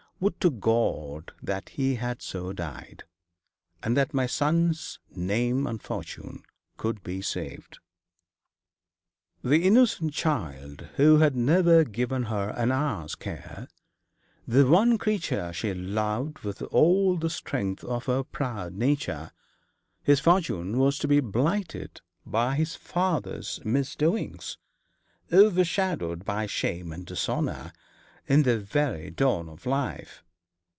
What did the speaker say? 'Would to God that he had so died, and that my son's name and fortune could be saved.' The innocent child who had never given her an hour's care; the one creature she loved with all the strength of her proud nature his future was to be blighted by his father's misdoings overshadowed by shame and dishonour in the very dawn of life.